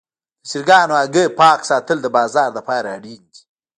د چرګانو هګۍ پاک ساتل د بازار لپاره اړین دي.